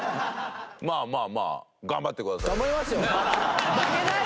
まあまあまあ頑張ってください。